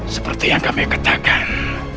seperti yang kami katakan